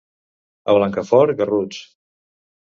A Blancafort, garruts.